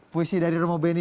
puisi dari roma beni